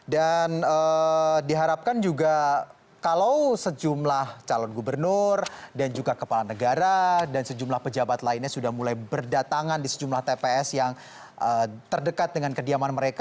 dan diharapkan juga kalau sejumlah calon gubernur dan juga kepala negara dan sejumlah pejabat lainnya sudah mulai berdatangan di sejumlah tps yang terdekat dengan kediaman mereka